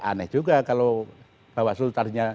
aneh juga kalau bawa sepertinya